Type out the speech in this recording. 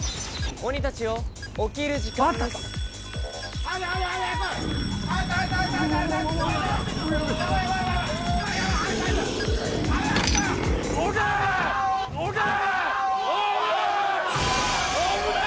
鬼たちよ、起きる時間です。